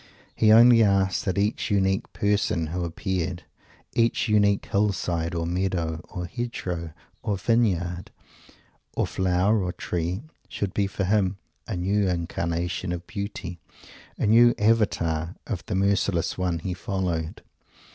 He only asked that each unique person who appeared; each unique hill side or meadow or hedgerow or vineyard or flower or tree; should be for him a new incarnation of Beauty, a new avatar of the merciless One he followed.